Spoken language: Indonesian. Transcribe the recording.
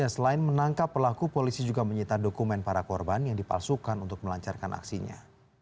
selain menangkap pelaku polisi juga menyita dokumen para korban yang dipalsukan untuk melancarkan aksinya